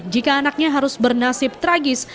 jika anaknya harus bernasib tragis